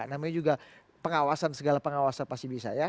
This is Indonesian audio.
namanya juga pengawasan segala pengawasan pasti bisa ya